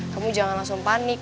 kamu jangan langsung panik